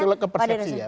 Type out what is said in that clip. ya itu ke persepsi ya